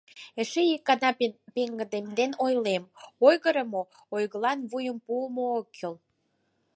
Эше ик гана пеҥгыдемден ойлем: «Ойгырымо, ойгылан вуйым пуымо ок кӱл.